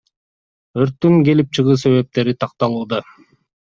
Өрттүн келип чыгуу себептери такталууда.